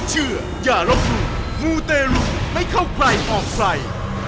เชื่ออย่ารบมูมูเตรุไม่เข้าใกล้ออกไฟ